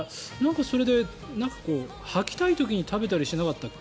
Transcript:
それで、吐きたい時に食べたりしなかったっけ？